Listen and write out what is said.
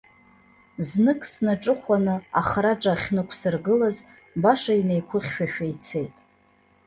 Знык снаҿыхәаны ахраҿа ахьнықәсыргылаз, баша инеиқәыхьшәашәа ицеит.